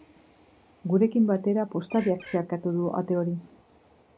Gurekin batera, postariak zeharkatu du ate hori.